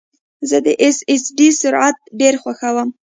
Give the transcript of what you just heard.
زه د ایس ایس ډي سرعت ډېر خوښوم.